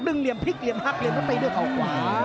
ดึงเหลียมพลิกเหลียมฮักเหลียมขนาดในเหลือเข้าขวา